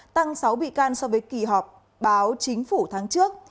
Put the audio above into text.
tăng sáu bị can so với kỳ họp báo chính phủ tháng trước